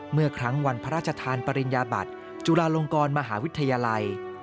เมื่อครั้งวันพระราชทานปริญญาบัติจุฬาลงกรมหาวิทยาลัย